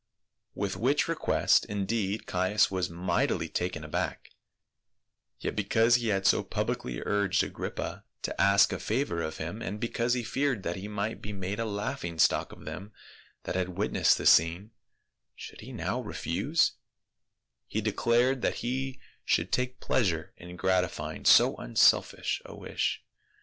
With which request, indeed, Caius was mightily taken aback, yet because he had so publicly urged Agrippa to ask a favor of him, and because he feared that he might be made a laughing stock of them that had witnessed the scene, should he now refuse, he declared that he should take pleasure in gratifying so unselfish a wish.